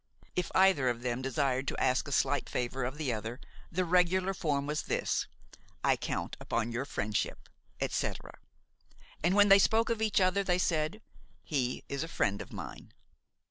If either of them desired to ask a slight favor of the other, the regular form was this: "I count upon your friendship," etc. And when they spoke of each other they said: "He is a friend of mine.